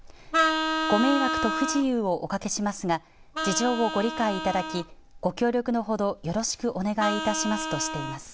ご迷惑と不自由をおかけしますが事情をご理解いただきご協力のほど、よろしくお願いいたしますとしています。